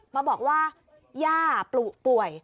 มาบอกว่าย่าปลุป่วย